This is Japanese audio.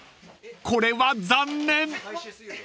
［これは残念！］